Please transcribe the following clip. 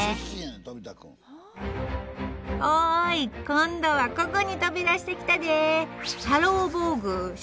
「おい今度はここに飛び出してきたで」